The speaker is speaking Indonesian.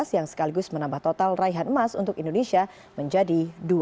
yang sekaligus menambah total raihan emas untuk indonesia menjadi dua